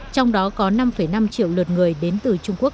trong đó có năm năm triệu lượt người đến từ trung quốc